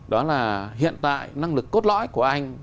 đó là hiện tại năng lực cốt lõi của anh